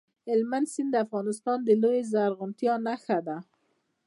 هلمند سیند د افغانستان د لویې زرغونتیا نښه ده.